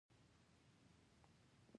یو زمری او یو انسان په ځنګل کې مخ شول.